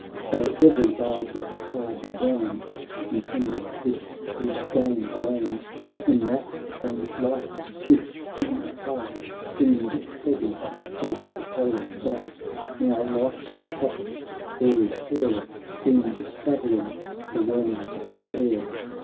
631 Though every barge's hardy band Contended which should gain the land, "When that strange light, which, seen afar, Seemed steady us the polar star, Now, like a prophet's fiery chair, Seemed travelling the realms of air.